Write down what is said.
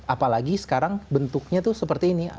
apalagi sekarang bentuknya itu seperti ini